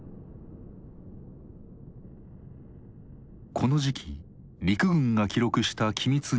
この時期陸軍が記録した機密日誌。